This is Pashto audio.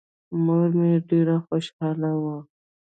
مور مې ډېره خوشاله وه.